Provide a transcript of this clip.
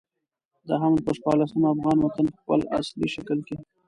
د حمل پر شپاړلسمه افغان وطن په خپل اصلي شکل کې.